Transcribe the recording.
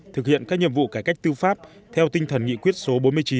thực hiện các nhiệm vụ cải cách tư pháp theo tinh thần nghị quyết số bốn mươi chín